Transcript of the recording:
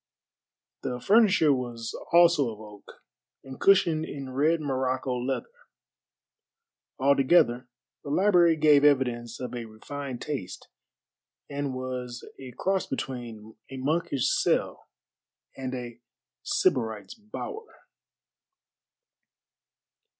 The furniture was also of oak, and cushioned in red Morocco leather. Altogether the library gave evidence of a refined taste, and was a cross between a monkish cell and a sybarite's bower.